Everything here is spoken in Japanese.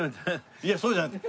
いやそうじゃなくて。